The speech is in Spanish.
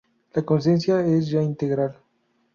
La conciencia es ya integral.